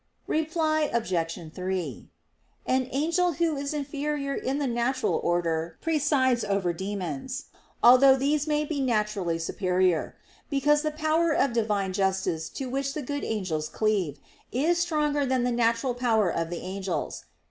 Reply Obj. 3: An angel who is inferior in the natural order presides over demons, although these may be naturally superior; because the power of Divine justice to which the good angels cleave, is stronger than the natural power of the angels.